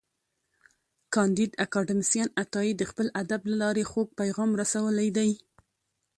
کانديد اکاډميسن عطایي د خپل ادب له لارې خوږ پیغام رسولی دی.